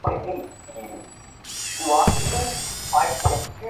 এখন থেকে তুই আমার একমাত্র শত্রু।